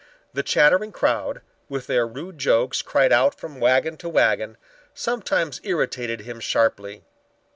The chattering crowd, with their rude jokes cried out from wagon to wagon, sometimes irritated him sharply.